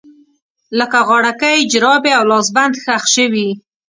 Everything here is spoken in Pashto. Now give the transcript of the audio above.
لکه غاړکۍ، جرابې او لاسبند ښخ شوي